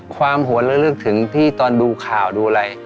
ความหัวเลือกเลือกถึงที่ตอนดูข่าวดูอะไร